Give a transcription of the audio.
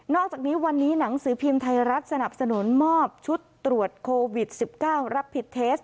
อกจากนี้วันนี้หนังสือพิมพ์ไทยรัฐสนับสนุนมอบชุดตรวจโควิด๑๙รับผิดเทส